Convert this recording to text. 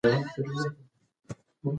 استاد په خپل درس کې.